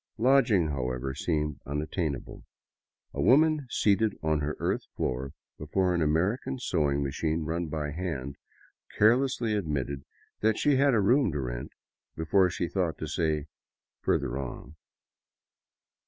Lodging, .how ever, seemed unattainable. A woman seated on her earth floor before an American sewing machine run by hand carelessly admitted that she had a room to rent before she thought to say " further on."